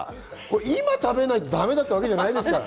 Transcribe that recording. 今食べないとだめだというわけではないですから。